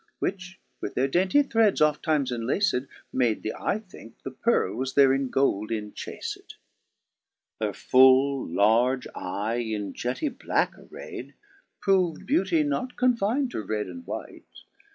Which, with their dainty threds oft times enlaced. Made the eie think the pearle was there in gold inchafed. 4 Her full large eye, in jetty blacke array 'd, Prov'd beauty not confin'd to red and white.